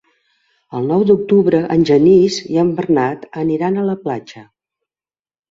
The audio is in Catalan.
El nou d'octubre en Genís i en Bernat aniran a la platja.